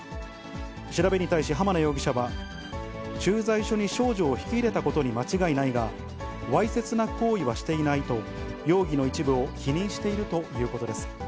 調べに対し、浜名容疑者は駐在所に少女を引き入れたことに間違いないが、わいせつな行為はしていないと、容疑の一部を否認しているということです。